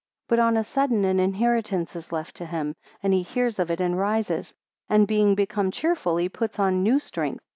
125 But on a sudden an inheritance is left to him, and he hears of it, and rises: and being become cheerful, he puts on new strength.